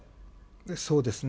そうですね。